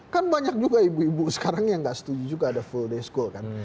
kan banyak juga ibu ibu sekarang yang nggak setuju juga ada full day school kan